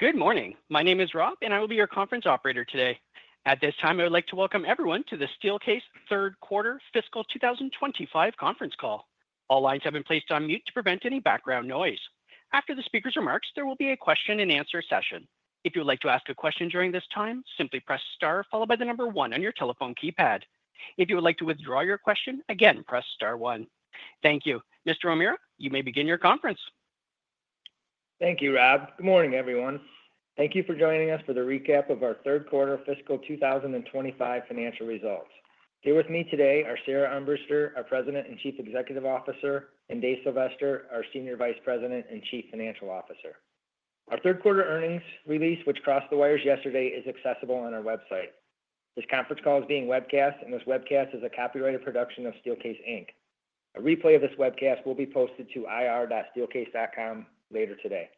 Good morning. My name is Rob, and I will be your conference operator today. At this time, I would like to welcome everyone to the Steelcase Third Quarter Fiscal 2025 conference call. All lines have been placed on mute to prevent any background noise. After the speaker's remarks, there will be a question-and-answer session. If you would like to ask a question during this time, simply press star followed by the number one on your telephone keypad. If you would like to withdraw your question, again, press star one. Thank you. Mr. O'Meara, you may begin your conference. Thank you, Rob. Good morning, everyone. Thank you for joining us for the recap of our Third Quarter Fiscal 2025 financial results. Here with me today are Sara Armbruster, our President and Chief Executive Officer, and Dave Sylvester, our Senior Vice President and Chief Financial Officer. Our Third Quarter earnings release, which crossed the wires yesterday, is accessible on our website. This conference call is being webcast, and this webcast is a copyrighted production of Steelcase Inc. A replay of this webcast will be posted to ir.steelcase.com later today.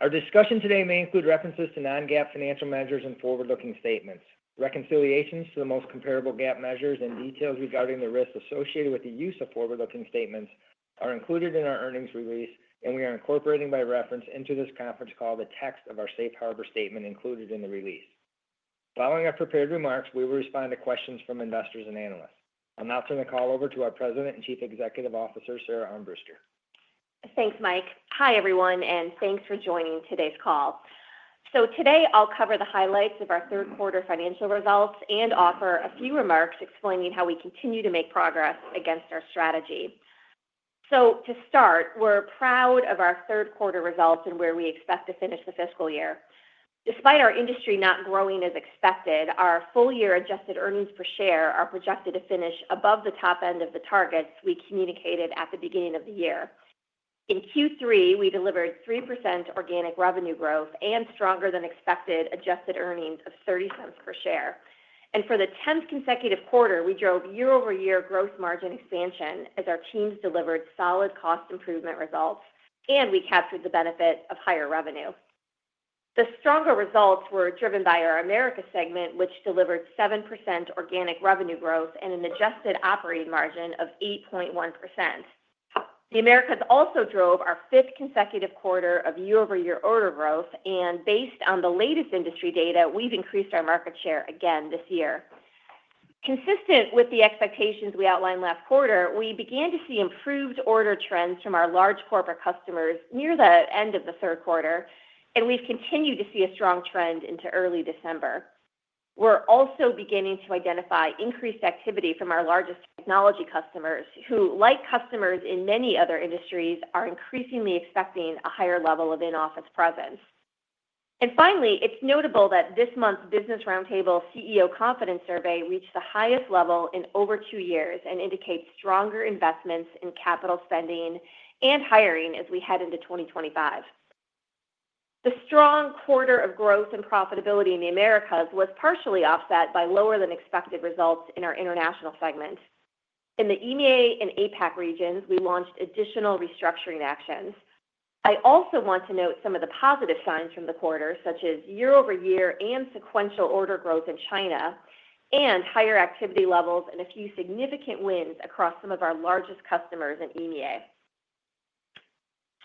Our discussion today may include references to non-GAAP financial measures and forward-looking statements. Reconciliations to the most comparable GAAP measures and details regarding the risks associated with the use of forward-looking statements are included in our earnings release, and we are incorporating by reference into this conference call the text of our Safe Harbor Statement included in the release. Following our prepared remarks, we will respond to questions from investors and analysts. I'll now turn the call over to our President and Chief Executive Officer, Sara Armbruster. Thanks, Mike. Hi, everyone, and thanks for joining today's call. So today, I'll cover the highlights of our Third Quarter financial results and offer a few remarks explaining how we continue to make progress against our strategy. So to start, we're proud of our Third Quarter results and where we expect to finish the fiscal year. Despite our industry not growing as expected, our full-year adjusted earnings per share are projected to finish above the top end of the targets we communicated at the beginning of the year. In Q3, we delivered 3% organic revenue growth and stronger-than-expected adjusted earnings of $0.30 per share. And for the 10th consecutive quarter, we drove year-over-year gross margin expansion as our teams delivered solid cost improvement results, and we captured the benefit of higher revenue. The stronger results were driven by our Americas segment, which delivered 7% organic revenue growth and an adjusted operating margin of 8.1%. The Americas also drove our fifth consecutive quarter of year-over-year order growth, and based on the latest industry data, we've increased our market share again this year. Consistent with the expectations we outlined last quarter, we began to see improved order trends from our large corporate customers near the end of the third quarter, and we've continued to see a strong trend into early December. We're also beginning to identify increased activity from our largest technology customers who, like customers in many other industries, are increasingly expecting a higher level of in-office presence. And finally, it's notable that this month's Business Roundtable CEO Confidence Survey reached the highest level in over two years and indicates stronger investments in capital spending and hiring as we head into 2025. The strong quarter of growth and profitability in the Americas was partially offset by lower-than-expected results in our international segment. In the EMEA and APAC regions, we launched additional restructuring actions. I also want to note some of the positive signs from the quarter, such as year-over-year and sequential order growth in China and higher activity levels and a few significant wins across some of our largest customers in EMEA.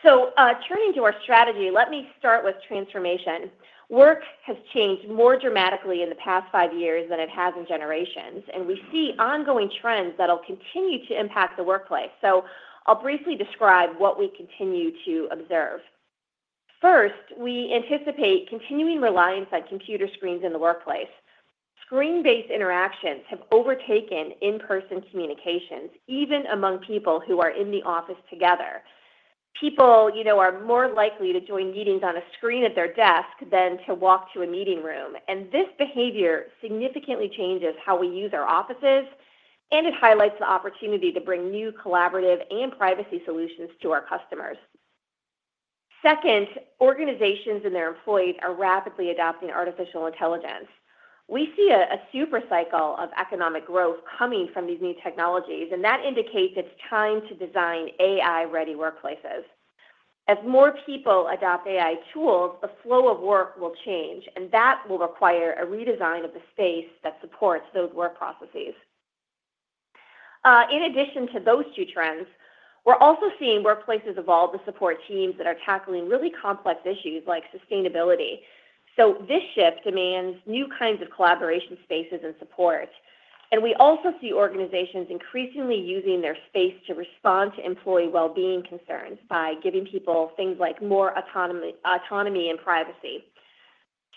So turning to our strategy, let me start with transformation. Work has changed more dramatically in the past five years than it has in generations, and we see ongoing trends that'll continue to impact the workplace. So I'll briefly describe what we continue to observe. First, we anticipate continuing reliance on computer screens in the workplace. Screen-based interactions have overtaken in-person communications, even among people who are in the office together. People are more likely to join meetings on a screen at their desk than to walk to a meeting room, and this behavior significantly changes how we use our offices, and it highlights the opportunity to bring new collaborative and privacy solutions to our customers. Second, organizations and their employees are rapidly adopting artificial intelligence. We see a supercycle of economic growth coming from these new technologies, and that indicates it's time to design AI-ready workplaces. As more people adopt AI tools, the flow of work will change, and that will require a redesign of the space that supports those work processes. In addition to those two trends, we're also seeing workplaces evolve to support teams that are tackling really complex issues like sustainability. So this shift demands new kinds of collaboration spaces and support, and we also see organizations increasingly using their space to respond to employee well-being concerns by giving people things like more autonomy and privacy.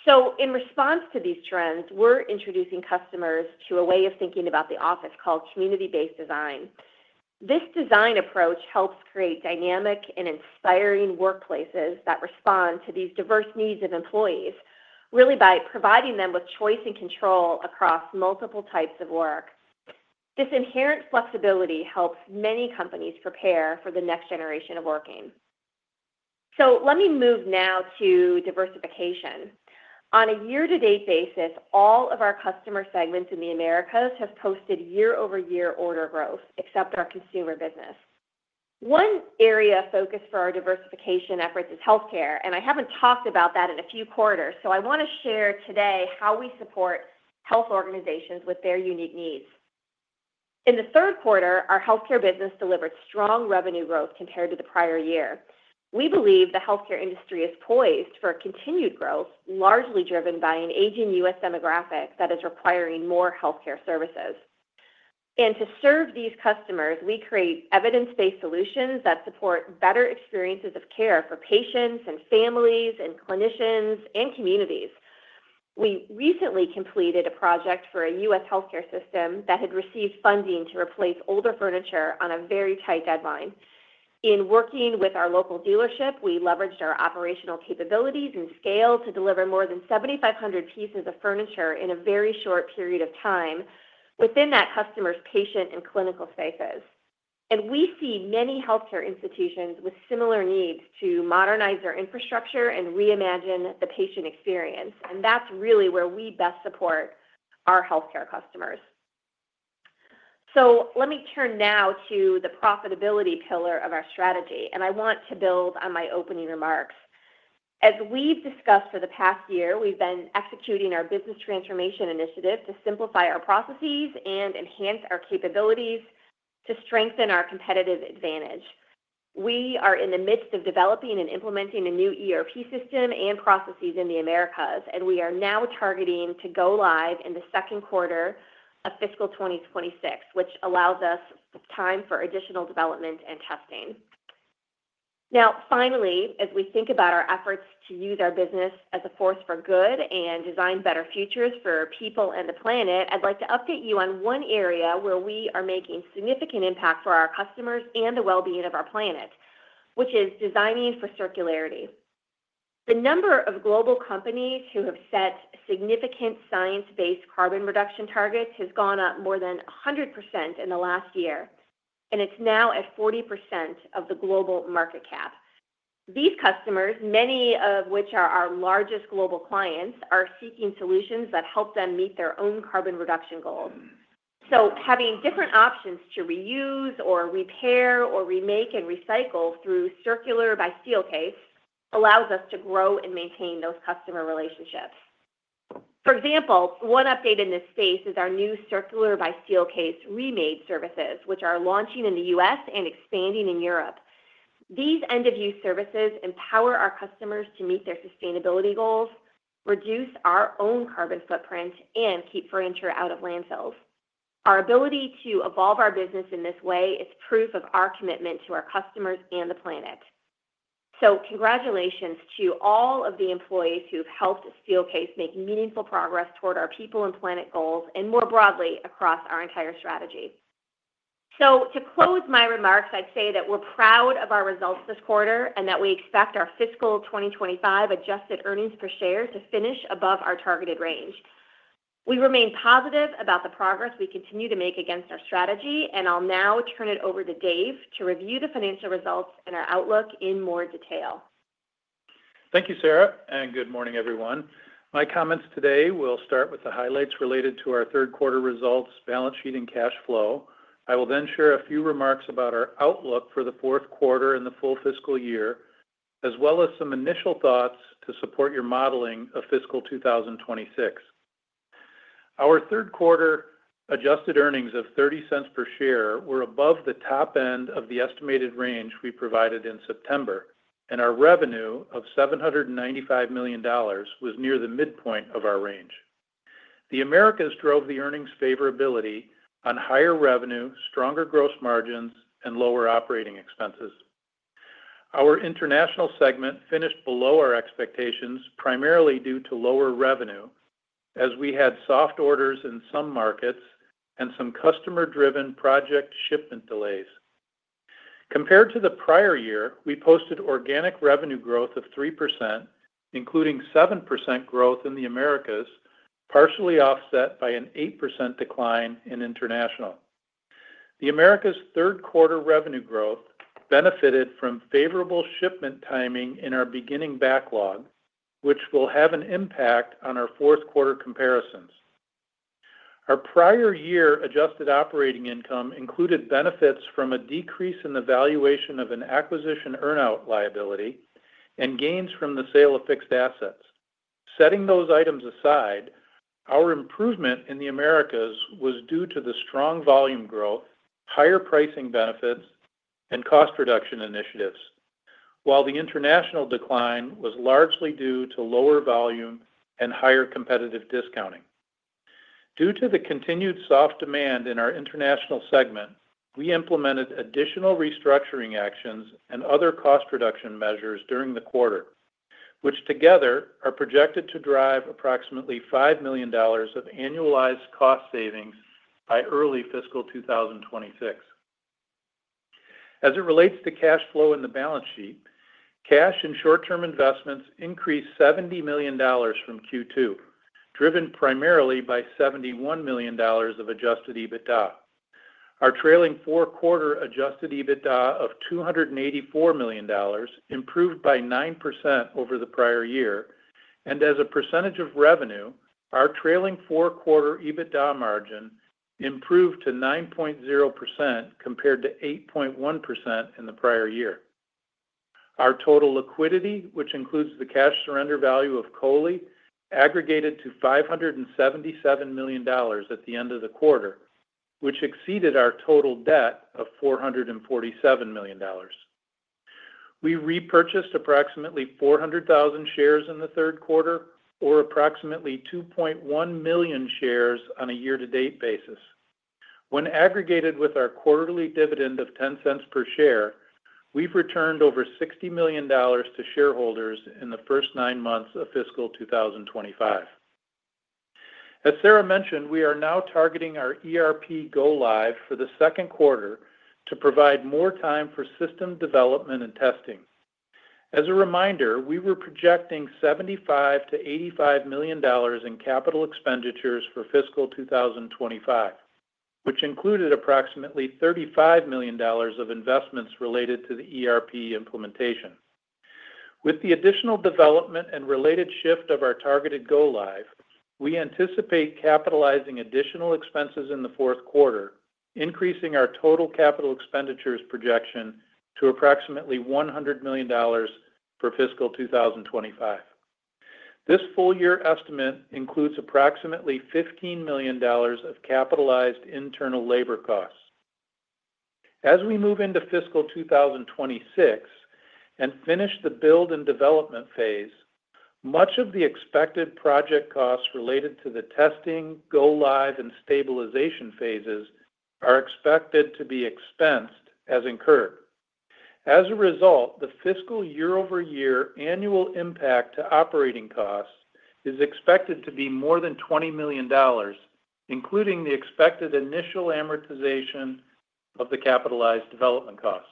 So in response to these trends, we're introducing customers to a way of thinking about the office called Community-Based Design. This design approach helps create dynamic and inspiring workplaces that respond to these diverse needs of employees, really by providing them with choice and control across multiple types of work. This inherent flexibility helps many companies prepare for the next generation of working. So let me move now to diversification. On a year-to-date basis, all of our customer segments in the Americas have posted year-over-year order growth, except our consumer business. One area of focus for our diversification efforts is healthcare, and I haven't talked about that in a few quarters, so I want to share today how we support health organizations with their unique needs. In the third quarter, our healthcare business delivered strong revenue growth compared to the prior year. We believe the healthcare industry is poised for continued growth, largely driven by an aging U.S. demographic that is requiring more healthcare services. And to serve these customers, we create evidence-based solutions that support better experiences of care for patients and families and clinicians and communities. We recently completed a project for a U.S. healthcare system that had received funding to replace older furniture on a very tight deadline. In working with our local dealership, we leveraged our operational capabilities and scale to deliver more than 7,500 pieces of furniture in a very short period of time within that customer's patient and clinical spaces, and we see many healthcare institutions with similar needs to modernize their infrastructure and reimagine the patient experience, and that's really where we best support our healthcare customers, so let me turn now to the profitability pillar of our strategy, and I want to build on my opening remarks. As we've discussed for the past year, we've been executing our business transformation initiative to simplify our processes and enhance our capabilities to strengthen our competitive advantage. We are in the midst of developing and implementing a new ERP system and processes in the Americas, and we are now targeting to go live in the second quarter of fiscal 2026, which allows us time for additional development and testing. Now, finally, as we think about our efforts to use our business as a force for good and design better futures for people and the planet, I'd like to update you on one area where we are making significant impact for our customers and the well-being of our planet, which is designing for circularity. The number of global companies who have set significant science-based carbon reduction targets has gone up more than 100% in the last year, and it's now at 40% of the global market cap. These customers, many of which are our largest global clients, are seeking solutions that help them meet their own carbon reduction goals. So having different options to reuse or repair or remake and recycle through Circular by Steelcase allows us to grow and maintain those customer relationships. For example, one update in this space is our new Circular by Steelcase Remade services, which are launching in the U.S. and expanding in Europe. These end-of-use services empower our customers to meet their sustainability goals, reduce our own carbon footprint, and keep furniture out of landfills. Our ability to evolve our business in this way is proof of our commitment to our customers and the planet. So congratulations to all of the employees who have helped Steelcase make meaningful progress toward our people and planet goals and more broadly across our entire strategy. So to close my remarks, I'd say that we're proud of our results this quarter and that we expect our fiscal 2025 adjusted earnings per share to finish above our targeted range. We remain positive about the progress we continue to make against our strategy, and I'll now turn it over to Dave to review the financial results and our outlook in more detail. Thank you, Sara, and good morning, everyone. My comments today will start with the highlights related to our third quarter results, balance sheet, and cash flow. I will then share a few remarks about our outlook for the fourth quarter and the full fiscal year, as well as some initial thoughts to support your modeling of fiscal 2026. Our third quarter adjusted earnings of $0.30 per share were above the top end of the estimated range we provided in September, and our revenue of $795 million was near the midpoint of our range. The Americas drove the earnings favorability on higher revenue, stronger gross margins, and lower operating expenses. Our international segment finished below our expectations, primarily due to lower revenue, as we had soft orders in some markets and some customer-driven project shipment delays. Compared to the prior year, we posted organic revenue growth of 3%, including 7% growth in the Americas, partially offset by an 8% decline in international. The Americas' third quarter revenue growth benefited from favorable shipment timing in our beginning backlog, which will have an impact on our fourth quarter comparisons. Our prior year adjusted operating income included benefits from a decrease in the valuation of an acquisition earnout liability and gains from the sale of fixed assets. Setting those items aside, our improvement in the Americas was due to the strong volume growth, higher pricing benefits, and cost reduction initiatives, while the international decline was largely due to lower volume and higher competitive discounting. Due to the continued soft demand in our international segment, we implemented additional restructuring actions and other cost reduction measures during the quarter, which together are projected to drive approximately $5 million of annualized cost savings by early fiscal 2026. As it relates to cash flow in the balance sheet, cash and short-term investments increased $70 million from Q2, driven primarily by $71 million of adjusted EBITDA. Our trailing four-quarter adjusted EBITDA of $284 million improved by 9% over the prior year, and as a percentage of revenue, our trailing four-quarter EBITDA margin improved to 9.0% compared to 8.1% in the prior year. Our total liquidity, which includes the cash surrender value of COLI, aggregated to $577 million at the end of the quarter, which exceeded our total debt of $447 million. We repurchased approximately 400,000 shares in the third quarter, or approximately 2.1 million shares on a year-to-date basis. When aggregated with our quarterly dividend of $0.10 per share, we've returned over $60 million to shareholders in the first nine months of fiscal 2025. As Sara mentioned, we are now targeting our ERP go-live for the second quarter to provide more time for system development and testing. As a reminder, we were projecting $75-$85 million in capital expenditures for fiscal 2025, which included approximately $35 million of investments related to the ERP implementation. With the additional development and related shift of our targeted go-live, we anticipate capitalizing additional expenses in the fourth quarter, increasing our total capital expenditures projection to approximately $100 million for fiscal 2025. This full-year estimate includes approximately $15 million of capitalized internal labor costs. As we move into fiscal 2026 and finish the build and development phase, much of the expected project costs related to the testing, go-live, and stabilization phases are expected to be expensed as incurred. As a result, the fiscal year-over-year annual impact to operating costs is expected to be more than $20 million, including the expected initial amortization of the capitalized development costs.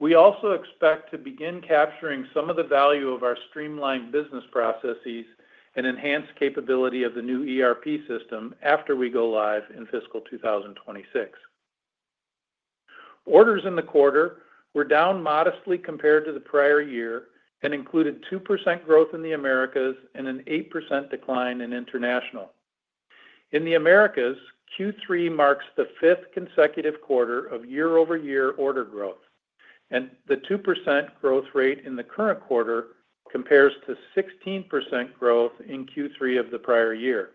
We also expect to begin capturing some of the value of our streamlined business processes and enhanced capability of the new ERP system after we go live in fiscal 2026. Orders in the quarter were down modestly compared to the prior year and included 2% growth in the Americas and an 8% decline in international. In the Americas, Q3 marks the fifth consecutive quarter of year-over-year order growth, and the 2% growth rate in the current quarter compares to 16% growth in Q3 of the prior year.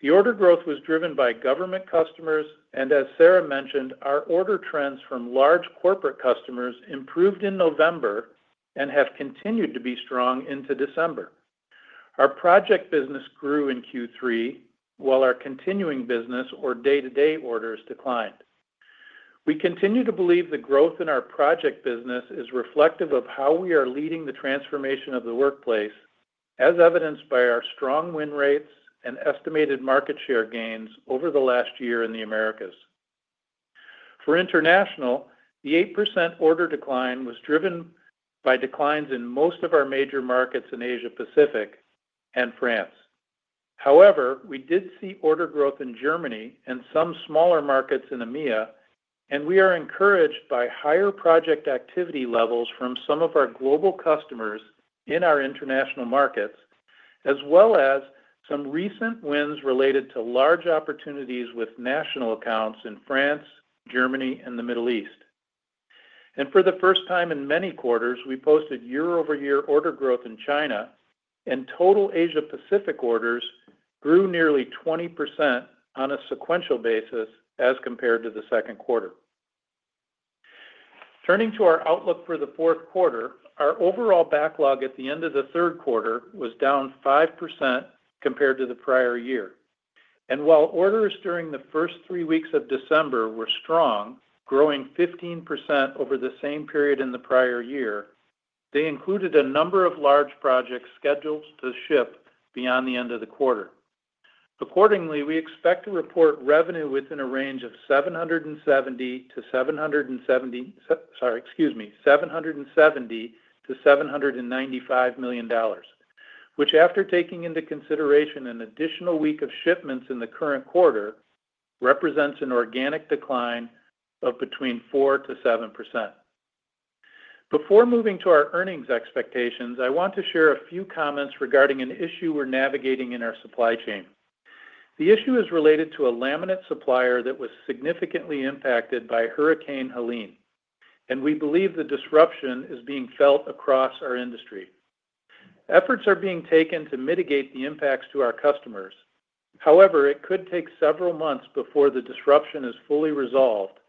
The order growth was driven by government customers, and as Sara mentioned, our order trends from large corporate customers improved in November and have continued to be strong into December. Our project business grew in Q3, while our continuing business, or day-to-day orders, declined. We continue to believe the growth in our project business is reflective of how we are leading the transformation of the workplace, as evidenced by our strong win rates and estimated market share gains over the last year in the Americas. For international, the 8% order decline was driven by declines in most of our major markets in Asia-Pacific and France. However, we did see order growth in Germany and some smaller markets in EMEA, and we are encouraged by higher project activity levels from some of our global customers in our international markets, as well as some recent wins related to large opportunities with national accounts in France, Germany, and the Middle East. And for the first time in many quarters, we posted year-over-year order growth in China, and total Asia-Pacific orders grew nearly 20% on a sequential basis as compared to the second quarter. Turning to our outlook for the fourth quarter, our overall backlog at the end of the third quarter was down 5% compared to the prior year. And while orders during the first three weeks of December were strong, growing 15% over the same period in the prior year, they included a number of large projects scheduled to ship beyond the end of the quarter. Accordingly, we expect to report revenue within a range of $770-$795 million, which, after taking into consideration an additional week of shipments in the current quarter, represents an organic decline of between 4% and 7%. Before moving to our earnings expectations, I want to share a few comments regarding an issue we're navigating in our supply chain. The issue is related to a laminate supplier that was significantly impacted by Hurricane Helene, and we believe the disruption is being felt across our industry. Efforts are being taken to mitigate the impacts to our customers. However, it could take several months before the disruption is fully resolved,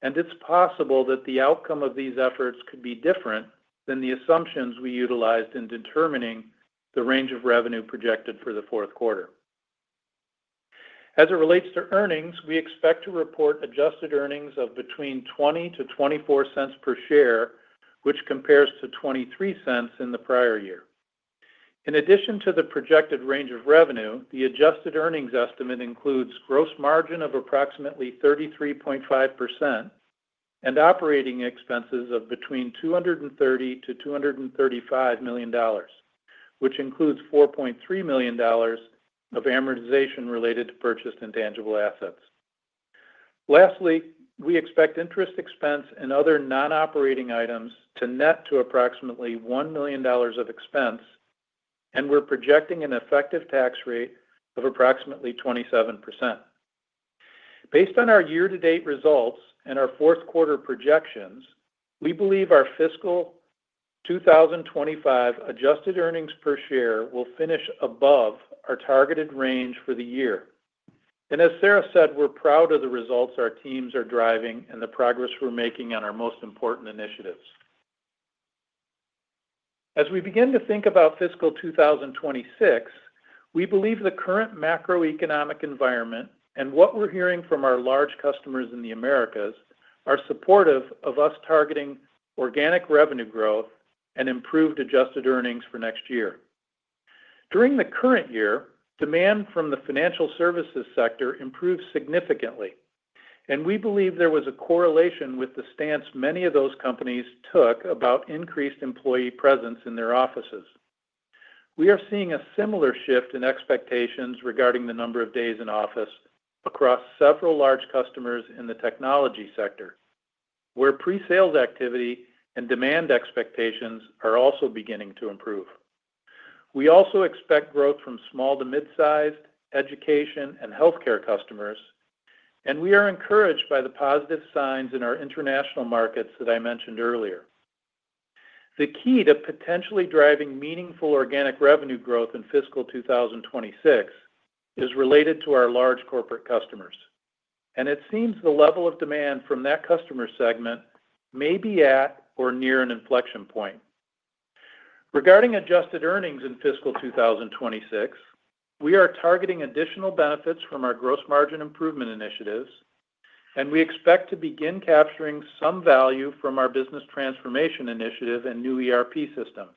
and it's possible that the outcome of these efforts could be different than the assumptions we utilized in determining the range of revenue projected for the fourth quarter. As it relates to earnings, we expect to report adjusted earnings of between $0.20-$0.24 per share, which compares to $0.23 in the prior year. In addition to the projected range of revenue, the adjusted earnings estimate includes gross margin of approximately 33.5% and operating expenses of between $230-$235 million, which includes $4.3 million of amortization related to purchased intangible assets. Lastly, we expect interest expense and other non-operating items to net to approximately $1 million of expense, and we're projecting an effective tax rate of approximately 27%. Based on our year-to-date results and our fourth quarter projections, we believe our fiscal 2025 adjusted earnings per share will finish above our targeted range for the year. And as Sara said, we're proud of the results our teams are driving and the progress we're making on our most important initiatives. As we begin to think about fiscal 2026, we believe the current macroeconomic environment and what we're hearing from our large customers in the Americas are supportive of us targeting organic revenue growth and improved adjusted earnings for next year. During the current year, demand from the financial services sector improved significantly, and we believe there was a correlation with the stance many of those companies took about increased employee presence in their offices. We are seeing a similar shift in expectations regarding the number of days in office across several large customers in the technology sector, where pre-sales activity and demand expectations are also beginning to improve. We also expect growth from small- to mid-sized, education, and healthcare customers, and we are encouraged by the positive signs in our international markets that I mentioned earlier. The key to potentially driving meaningful organic revenue growth in fiscal 2026 is related to our large corporate customers, and it seems the level of demand from that customer segment may be at or near an inflection point. Regarding adjusted earnings in fiscal 2026, we are targeting additional benefits from our gross margin improvement initiatives, and we expect to begin capturing some value from our business transformation initiative and new ERP system.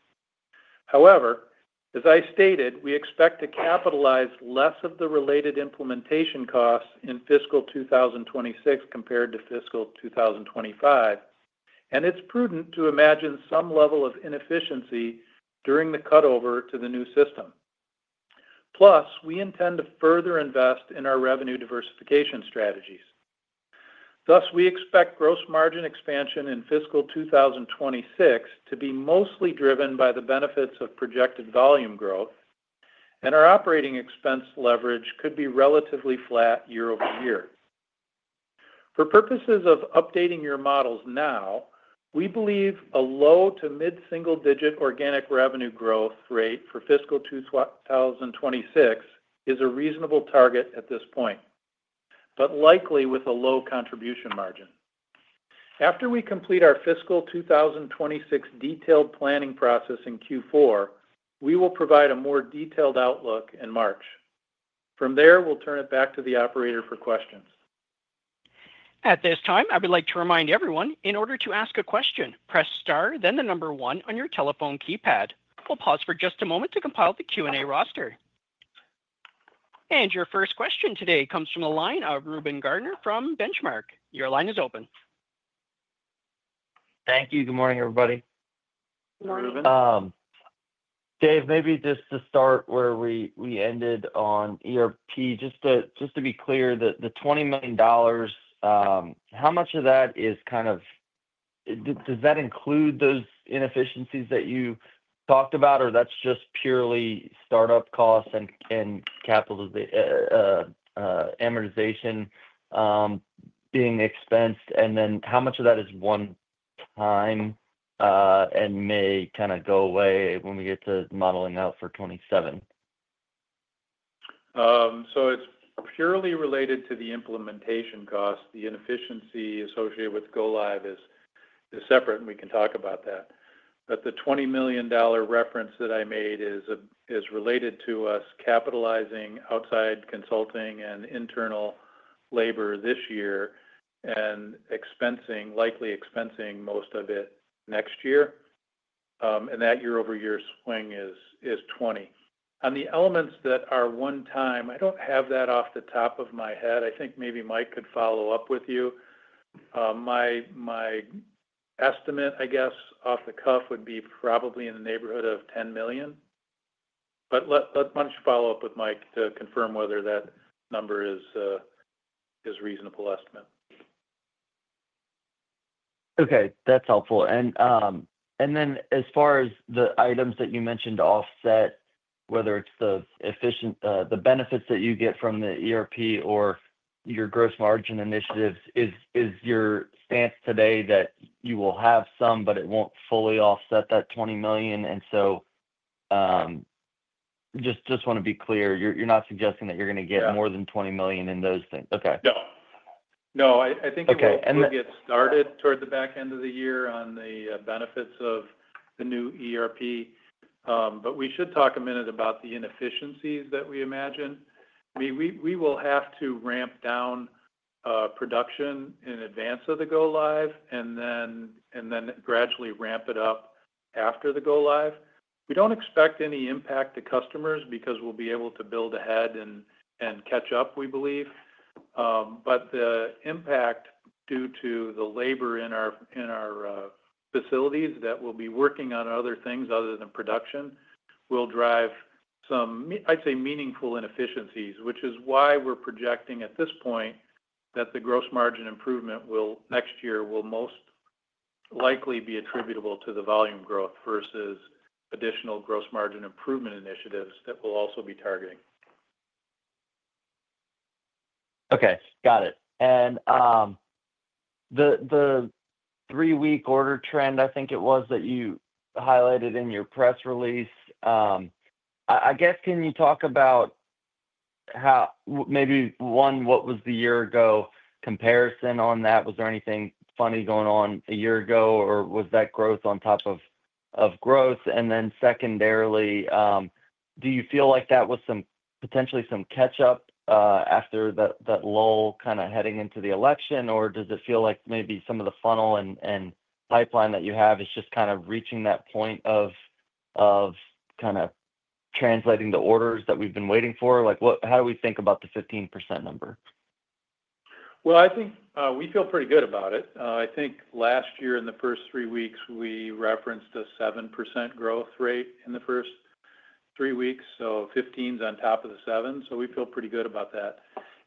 However, as I stated, we expect to capitalize less of the related implementation costs in fiscal 2026 compared to fiscal 2025, and it's prudent to imagine some level of inefficiency during the cutover to the new system. Plus, we intend to further invest in our revenue diversification strategies. Thus, we expect gross margin expansion in fiscal 2026 to be mostly driven by the benefits of projected volume growth, and our operating expense leverage could be relatively flat year over year. For purposes of updating your models now, we believe a low to mid-single-digit organic revenue growth rate for fiscal 2026 is a reasonable target at this point, but likely with a low contribution margin. After we complete our fiscal 2026 detailed planning process in Q4, we will provide a more detailed outlook in March. From there, we'll turn it back to the operator for questions. At this time, I would like to remind everyone, in order to ask a question, press star, then the number one on your telephone keypad. We'll pause for just a moment to compile the Q&A roster, and your first question today comes from the line of Reuben Garner from Benchmark. Your line is open. Thank you. Good morning, everybody. Good morning, Reuben. Dave, maybe just to start where we ended on ERP, just to be clear, the $20 million, how much of that is kind of does that include those inefficiencies that you talked about, or that's just purely startup costs and amortization being expensed? And then how much of that is one-time and may kind of go away when we get to modeling out for 2027? So it's purely related to the implementation costs. The inefficiency associated with go-live is separate, and we can talk about that. But the $20 million reference that I made is related to us capitalizing outside consulting and internal labor this year and likely expensing most of it next year. And that year-over-year swing is 20. On the elements that are one-time, I don't have that off the top of my head. I think maybe Mike could follow up with you. My estimate, I guess, off the cuff would be probably in the neighborhood of $10 million. But let Mike follow up with you to confirm whether that number is a reasonable estimate. Okay. That's helpful. And then as far as the items that you mentioned offset, whether it's the benefits that you get from the ERP or your gross margin initiatives, is your stance today that you will have some, but it won't fully offset that $20 million? And so just want to be clear, you're not suggesting that you're going to get more than $20 million in those things? Okay. No. No. I think it will get started toward the back end of the year on the benefits of the new ERP. But we should talk a minute about the inefficiencies that we imagine. I mean, we will have to ramp down production in advance of the go-live and then gradually ramp it up after the go-live. We don't expect any impact to customers because we'll be able to build ahead and catch up, we believe. But the impact due to the labor in our facilities that will be working on other things other than production will drive some, I'd say, meaningful inefficiencies, which is why we're projecting at this point that the gross margin improvement next year will most likely be attributable to the volume growth versus additional gross margin improvement initiatives that we'll also be targeting. Okay. Got it. And the three-week order trend, I think it was that you highlighted in your press release. I guess, can you talk about maybe one, what was the year-ago comparison on that? Was there anything funny going on a year ago, or was that growth on top of growth? And then secondarily, do you feel like that was potentially some catch-up after that lull kind of heading into the election, or does it feel like maybe some of the funnel and pipeline that you have is just kind of reaching that point of kind of translating the orders that we've been waiting for? How do we think about the 15% number? Well, I think we feel pretty good about it. I think last year in the first three weeks, we referenced a 7% growth rate in the first three weeks, so 15% on top of the 7. So we feel pretty good about that.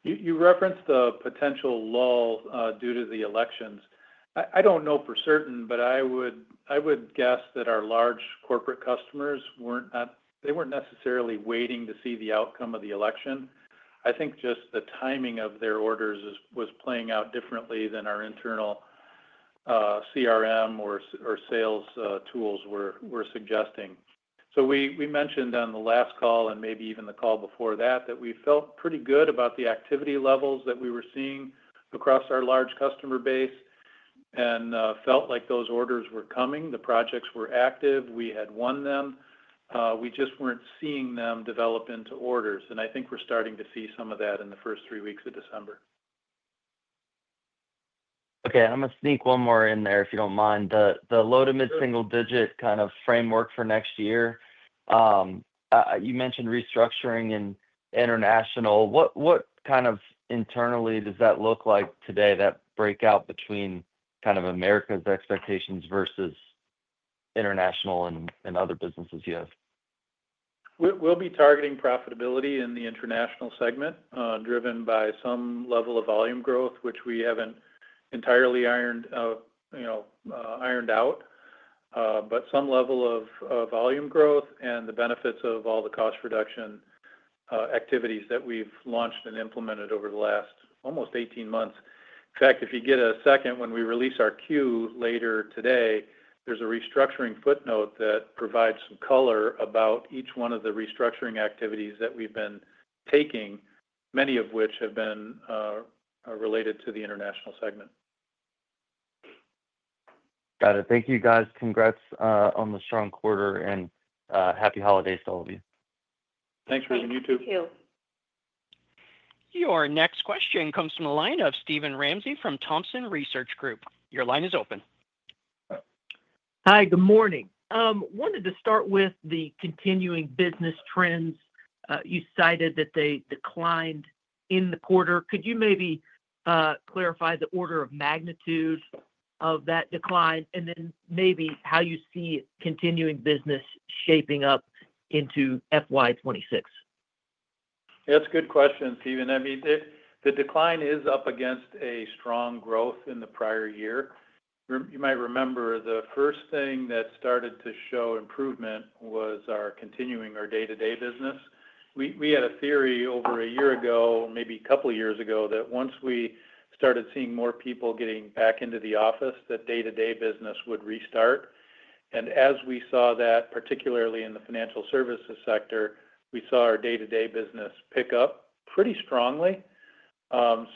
You referenced the potential lull due to the elections. I don't know for certain, but I would guess that our large corporate customers, they weren't necessarily waiting to see the outcome of the election. I think just the timing of their orders was playing out differently than our internal CRM or sales tools were suggesting. So we mentioned on the last call and maybe even the call before that that we felt pretty good about the activity levels that we were seeing across our large customer base and felt like those orders were coming. The projects were active. We had won them. We just weren't seeing them develop into orders, and I think we're starting to see some of that in the first three weeks of December. Okay. I'm going to sneak one more in there, if you don't mind. The low to mid-single-digit kind of framework for next year, you mentioned restructuring in international. What kind of internally does that look like today, that breakout between kind of Americas' expectations versus international and other businesses you have? We'll be targeting profitability in the international segment driven by some level of volume growth, which we haven't entirely ironed out, but some level of volume growth and the benefits of all the cost reduction activities that we've launched and implemented over the last almost 18 months. In fact, if you get a second when we release our Q later today, there's a restructuring footnote that provides some color about each one of the restructuring activities that we've been taking, many of which have been related to the international segment. Got it. Thank you, guys. Congrats on the strong quarter an d happy holidays to all of you. Thanks, Reuben. You too. Thank you. Your next question comes from the line of Steven Ramsey from Thompson Research Group. Your line is open. Hi. Good morning. Wanted to start with the continuing business trends. You cited that they declined in the quarter. Could you maybe clarify the order of magnitude of that decline and then maybe how you see continuing business shaping up into FY26? That's a good question, Steven. I mean, the decline is up against a strong growth in the prior year. You might remember the first thing that started to show improvement was continuing our day-to-day business. We had a theory over a year ago, maybe a couple of years ago, that once we started seeing more people getting back into the office, that day-to-day business would restart. And as we saw that, particularly in the financial services sector, we saw our day-to-day business pick up pretty strongly.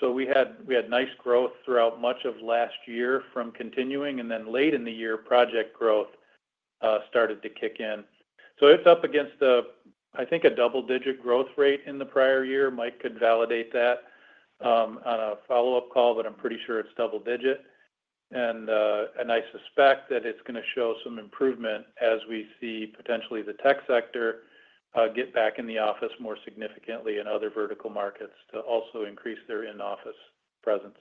So we had nice growth throughout much of last year from continuing, and then late in the year, project growth started to kick in. So it's up against, I think, a double-digit growth rate in the prior year. Mike could validate that on a follow-up call, but I'm pretty sure it's double-digit. And I suspect that it's going to show some improvement as we see potentially the tech sector get back in the office more significantly and other vertical markets to also increase their in-office presence.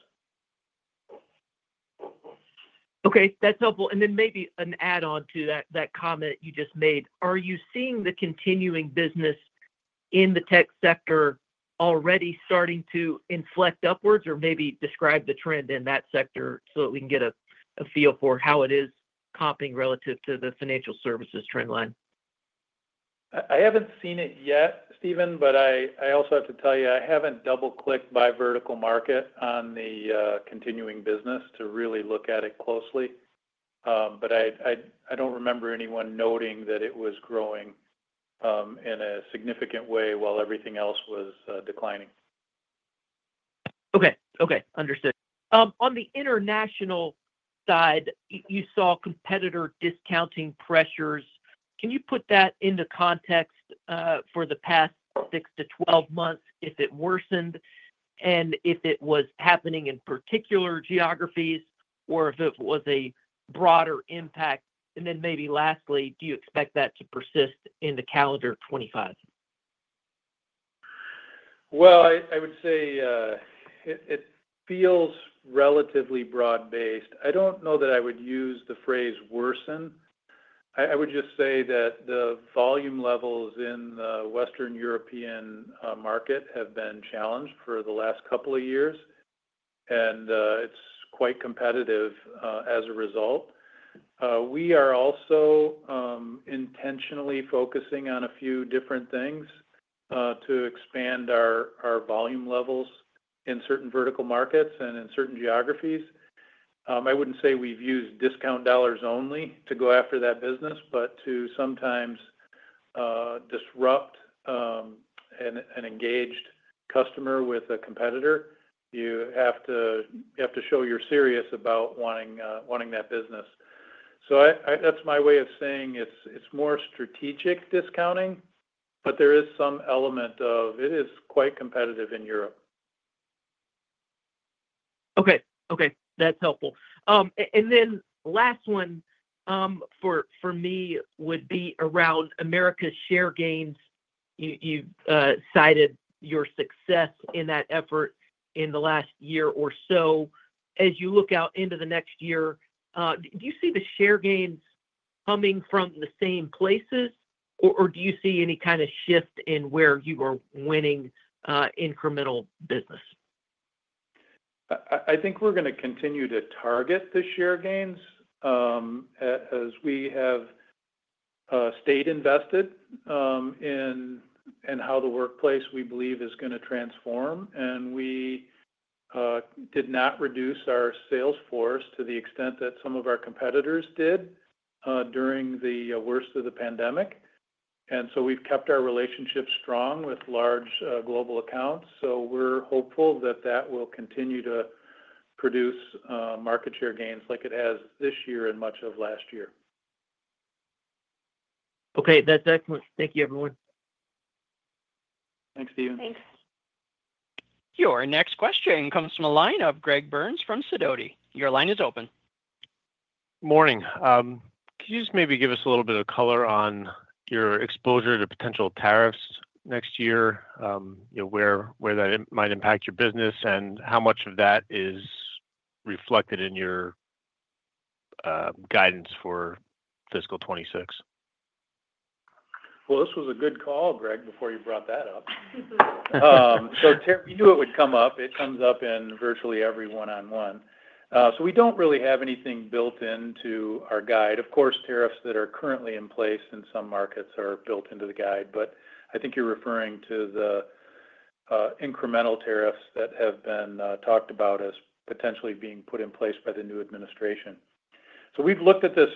Okay. That's helpful. And then maybe an add-on to that comment you just made. Are you seeing the continuing business in the tech sector already starting to inflect upwards or maybe describe the trend in that sector so that we can get a feel for how it is comping relative to the financial services trend line? I haven't seen it yet, Steven, but I also have to tell you, I haven't double-clicked by vertical market on the continuing business to really look at it closely. But I don't remember anyone noting that it was growing in a significant way while everything else was declining. Okay. Okay. Understood. On the international side, you saw competitor discounting pressures. Can you put that into context for the past six-12 months if it worsened and if it was happening in particular geographies or if it was a broader impact? And then maybe lastly, do you expect that to persist in the calendar 2025? Well, I would say it feels relatively broad-based. I don't know that I would use the phrase worsen. I would just say that the volume levels in the Western Europe market have been challenged for the last couple of years, and it's quite competitive as a result. We are also intentionally focusing on a few different things to expand our volume levels in certain vertical markets and in certain geographies. I wouldn't say we've used discount dollars only to go after that business, but to sometimes disrupt an engaged customer with a competitor, you have to show you're serious about wanting that business. So that's my way of saying it's more strategic discounting, but there is some element of it is quite competitive in Europe. Okay. Okay. That's helpful. And then last one for me would be around Americas' share gains. You cited your success in that effort in the last year or so. As you look out into the next year, do you see the share gains coming from the same places, or do you see any kind of shift in where you are winning incremental business? I think we're going to continue to target the share gains as we have stayed invested in how the workplace we believe is going to transform. And we did not reduce our sales force to the extent that some of our competitors did during the worst of the pandemic. And so we've kept our relationship strong with large global accounts. So we're hopeful that that will continue to produce market share gains like it has this year and much of last year. Okay. That's excellent. Thank you, everyone. Thanks, Steven. Thanks. Your next question comes from a line of Greg Burns from Sidoti. Your line is open. Morning. Could you just maybe give us a little bit of color on your exposure to potential tariffs next year, where that might impact your business, and how much of that is reflected in your guidance for fiscal 2026? Well, this was a good call, Greg, before you brought that up. So we knew it would come up. It comes up in virtually every one-on-one. So we don't really have anything built into our guide. Of course, tariffs that are currently in place in some markets are built into the guide, but I think you're referring to the incremental tariffs that have been talked about as potentially being put in place by the new administration. So we've looked at this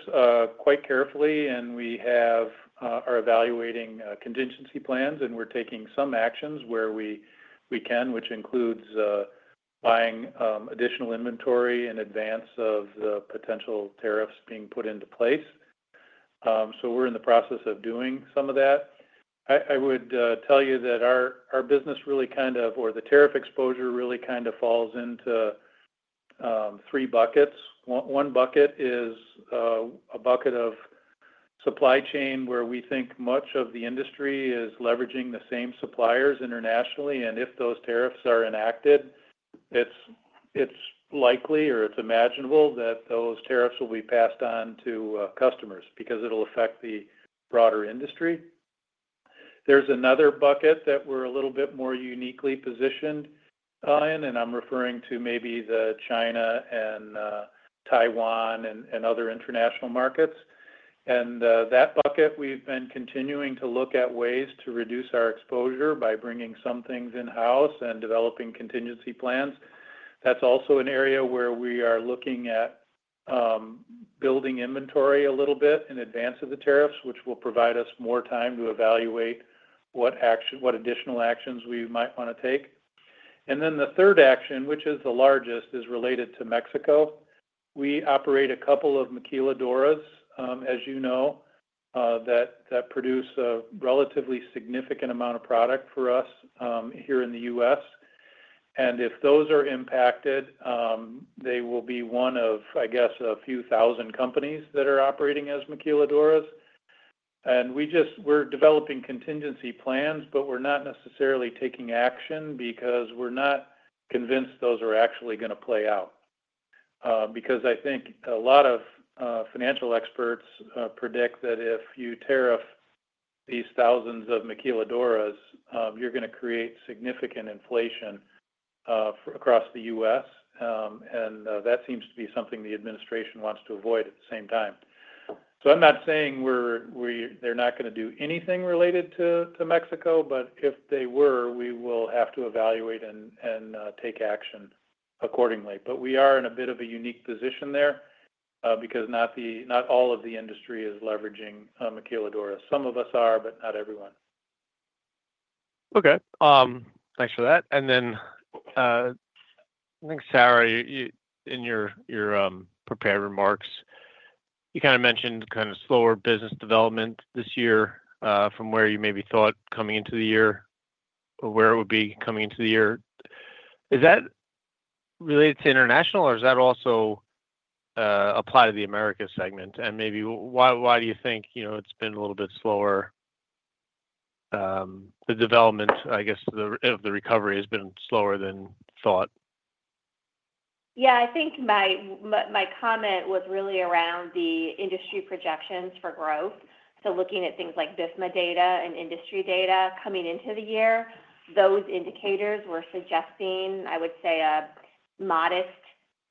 quite carefully, and we are evaluating contingency plans, and we're taking some actions where we can, which includes buying additional inventory in advance of the potential tariffs being put into place. So we're in the process of doing some of that. I would tell you that our business really kind of, or the tariff exposure really kind of falls into three buckets. One bucket is a bucket of supply chain where we think much of the industry is leveraging the same suppliers internationally. And if those tariffs are enacted, it's likely or it's imaginable that those tariffs will be passed on to customers because it'll affect the broader industry. There's another bucket that we're a little bit more uniquely positioned in, and I'm referring to maybe the China and Taiwan and other international markets. And that bucket, we've been continuing to look at ways to reduce our exposure by bringing some things in-house and developing contingency plans. That's also an area where we are looking at building inventory a little bit in advance of the tariffs, which will provide us more time to evaluate what additional actions we might want to take. And then the third action, which is the largest, is related to Mexico. We operate a couple of maquiladoras, as you know, that produce a relatively significant amount of product for us here in the U.S.. And if those are impacted, they will be one of, I guess, a few thousand companies that are operating as maquiladoras. And we're developing contingency plans, but we're not necessarily taking action because we're not convinced those are actually going to play out. Because I think a lot of financial experts predict that if you tariff these thousands of maquiladoras, you're going to create significant inflation across the U.S.. And that seems to be something the administration wants to avoid at the same time. So I'm not saying they're not going to do anything related to Mexico, but if they were, we will have to evaluate and take action accordingly. But we are in a bit of a unique position there because not all of the industry is leveraging maquiladoras. Some of us are, but not everyone. Okay. Thanks for that. And then I think, Sara, in your prepared remarks, you kind of mentioned kind of slower business development this year from where you maybe thought coming into the year or where it would be coming into the year. Is that related to international, or does that also apply to the Americas segment? And maybe why do you think it's been a little bit slower? The development, I guess, of the recovery has been slower than thought. Yeah. I think my comment was really around the industry projections for growth. So looking at things like BIFMA data and industry data coming into the year, those indicators were suggesting, I would say, a modest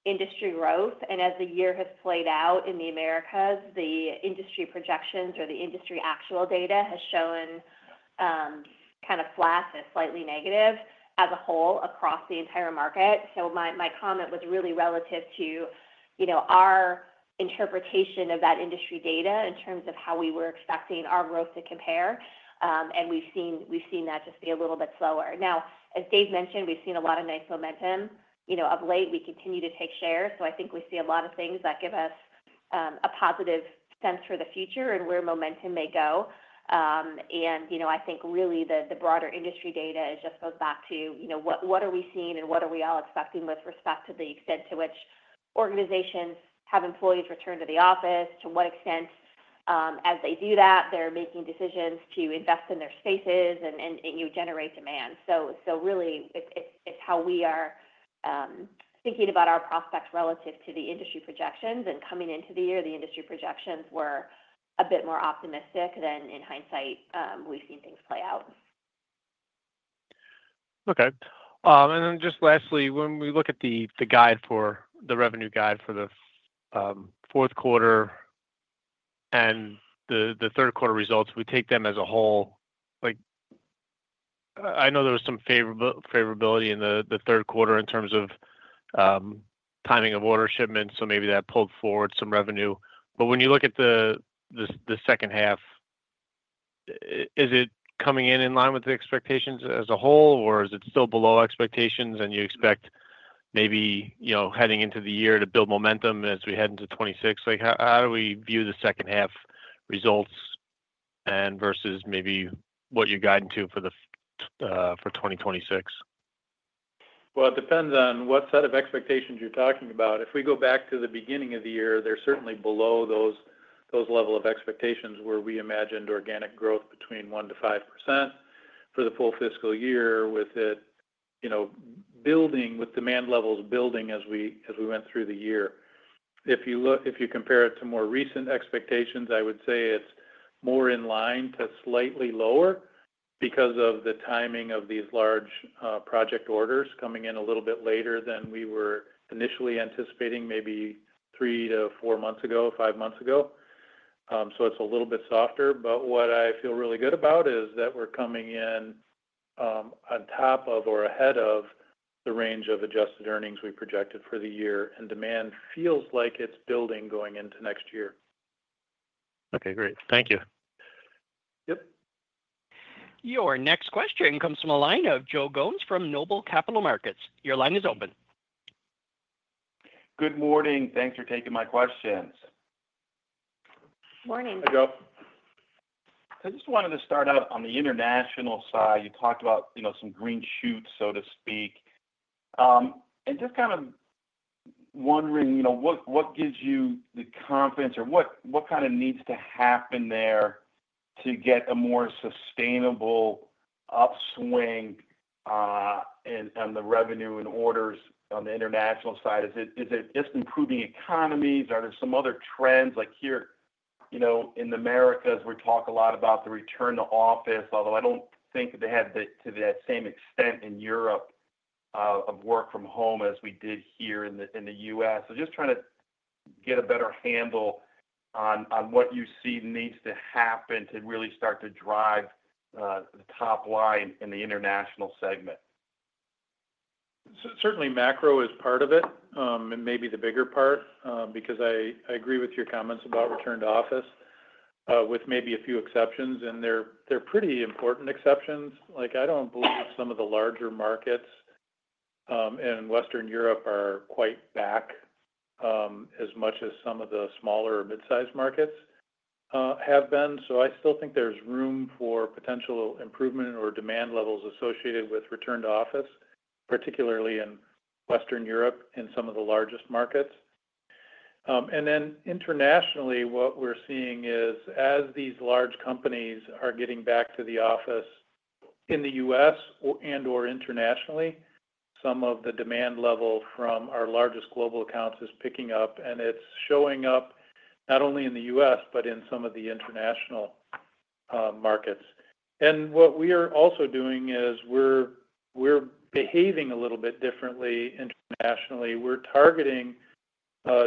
industry growth. And as the year has played out in the Americas, the industry projections or the industry actual data has shown kind of flat to slightly negative as a whole across the entire market. So my comment was really relative to our interpretation of that industry data in terms of how we were expecting our growth to compare. And we've seen that just be a little bit slower. Now, as Dave mentioned, we've seen a lot of nice momentum. Of late, we continue to take shares. So I think we see a lot of things that give us a positive sense for the future and where momentum may go. And I think really the broader industry data just goes back to what are we seeing and what are we all expecting with respect to the extent to which organizations have employees return to the office, to what extent as they do that, they're making decisions to invest in their spaces and generate demand. So really, it's how we are thinking about our prospects relative to the industry projections. And coming into the year, the industry projections were a bit more optimistic than in hindsight we've seen things play out. Okay. And then just lastly, when we look at the revenue guide for the fourth quarter and the third quarter results, we take them as a whole. I know there was some favorability in the third quarter in terms of timing of order shipment, so maybe that pulled forward some revenue. But when you look at the second half, is it coming in line with the expectations as a whole, or is it still below expectations and you expect maybe heading into the year to build momentum as we head into 2026? How do we view the second half results versus maybe what you're guiding to for 2026? Well, it depends on what set of expectations you're talking about. If we go back to the beginning of the year, they're certainly below those levels of expectations where we imagined organic growth between 1%-5% for the full fiscal year with demand levels building as we went through the year. If you compare it to more recent expectations, I would say it's more in line to slightly lower because of the timing of these large project orders coming in a little bit later than we were initially anticipating maybe three to four months ago, five months ago. So it's a little bit softer. But what I feel really good about is that we're coming in on top of or ahead of the range of adjusted earnings we projected for the year, and demand feels like it's building going into next year. Okay. Great. Thank you. Yep. Your next question comes from a line of Joe Gomes from NOBLE Capital Markets. Your line is open. Good morning. Thanks for taking my questions. Morning. How's it going? I just wanted to start out on the international side. You talked about some green shoots, so to speak. Just kind of wondering what gives you the confidence or what kind of needs to happen there to get a more sustainable upswing in the revenue and orders on the international side? Is it just improving economies? Are there some other trends? Like here in the Americas, we talk a lot about the return to office, although I don't think they have to that same extent in Europe of work from home as we did here in the U.S., so just trying to get a better handle on what you see needs to happen to really start to drive the top line in the international segment. Certainly, macro is part of it and maybe the bigger part because I agree with your comments about return to office with maybe a few exceptions, and they're pretty important exceptions. I don't believe some of the larger markets in Western Europe are quite back as much as some of the smaller or mid-sized markets have been. So I still think there's room for potential improvement or demand levels associated with return to office, particularly in Western Europe in some of the largest markets. And then internationally, what we're seeing is as these large companies are getting back to the office in the U.S. and/or internationally, some of the demand level from our largest global accounts is picking up, and it's showing up not only in the U.S., but in some of the international markets. And what we are also doing is we're behaving a little bit differently internationally. We're targeting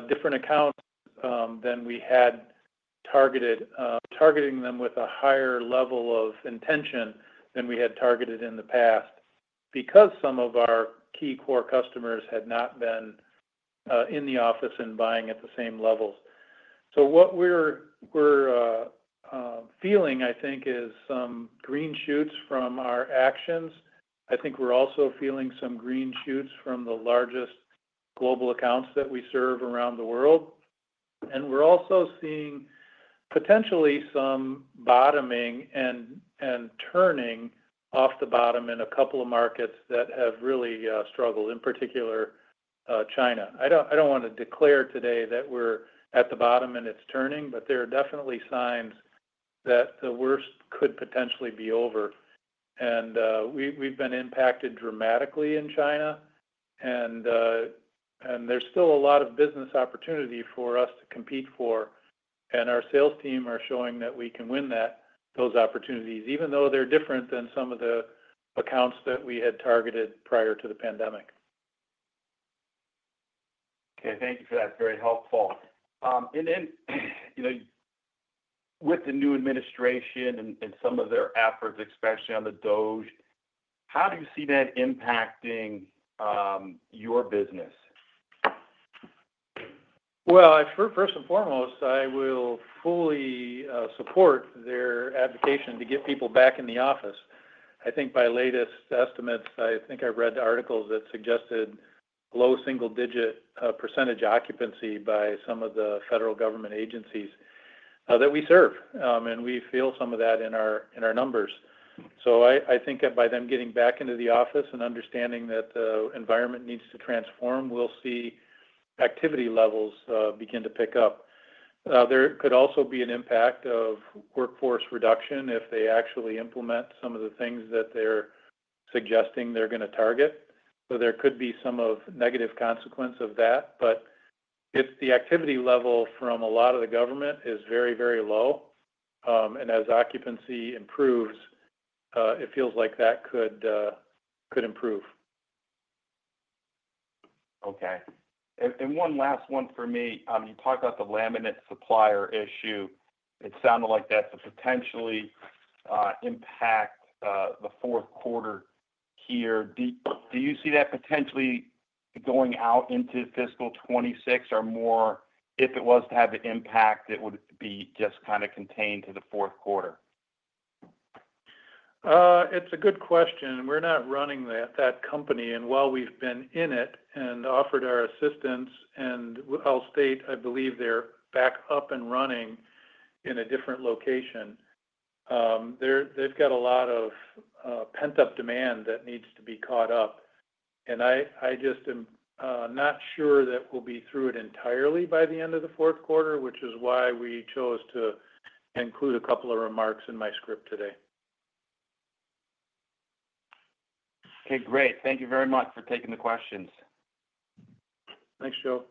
different accounts than we had targeted, targeting them with a higher level of intention than we had targeted in the past because some of our key core customers had not been in the office and buying at the same levels. So what we're feeling, I think, is some green shoots from our actions. I think we're also feeling some green shoots from the largest global accounts that we serve around the world. And we're also seeing potentially some bottoming and turning off the bottom in a couple of markets that have really struggled, in particular, China. I don't want to declare today that we're at the bottom and it's turning, but there are definitely signs that the worst could potentially be over. And we've been impacted dramatically in China, and there's still a lot of business opportunity for us to compete for. And our sales team are showing that we can win those opportunities, even though they're different than some of the accounts that we had targeted prior to the pandemic. Okay. Thank you for that. Very helpful. And then with the new administration and some of their efforts, especially on the DOGE, how do you see that impacting your business? Well, first and foremost, I will fully support their advocacy to get people back in the office. I think by latest estimates, I think I read articles that suggested low single-digit % occupancy by some of the federal government agencies that we serve. And we feel some of that in our numbers. So I think that by them getting back into the office and understanding that the environment needs to transform, we'll see activity levels begin to pick up. There could also be an impact of workforce reduction if they actually implement some of the things that they're suggesting they're going to target. So there could be some of the negative consequences of that. But the activity level from a lot of the government is very, very low. And as occupancy improves, it feels like that could improve. Okay. And one last one for me. You talked about the laminate supplier issue. It sounded like that could potentially impact the fourth quarter here. Do you see that potentially going out into fiscal 2026, or more if it was to have an impact, it would be just kind of contained to the fourth quarter? It's a good question. We're not running that company. And while we've been in it and offered our assistance, and I'll state, I believe they're back up and running in a different location. They've got a lot of pent-up demand that needs to be caught up, and I just am not sure that we'll be through it entirely by the end of the fourth quarter, which is why we chose to include a couple of remarks in my script today. Okay. Great. Thank you very much for taking the questions. Thanks, Joe.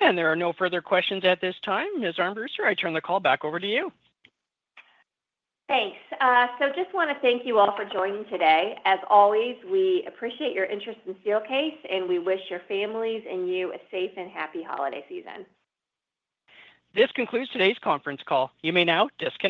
And there are no further questions at this time. Ms. Armbruster, I turn the call back over to you. Thanks. So just want to thank you all for joining today. As always, we appreciate your interest in Steelcase, and we wish your families and you a safe and happy holiday season. This concludes today's conference call. You may now disconnect.